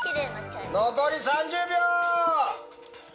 残り３０秒！